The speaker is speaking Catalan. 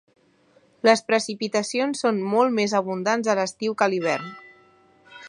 Les precipitacions són molt més abundants a l'estiu que a l'hivern.